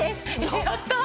やったあ！